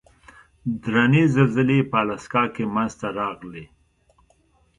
درنې زلزلې په الاسکا کې منځته راغلې.